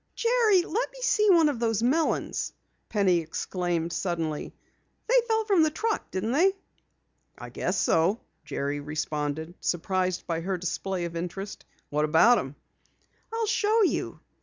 "Jerry, let me see one of those melons!" Penny exclaimed suddenly. "They fell from the truck, didn't they?" "I guess so," Jerry responded, surprised by her display of interest. "What about 'em?" "I'll show you."